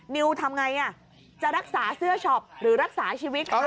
นิวทำไงจะรักษาเสื้อช็อปหรือรักษาชีวิตเขา